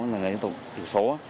là người dân tộc thiểu số